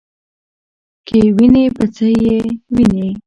کې وینې په څه یې وینې ؟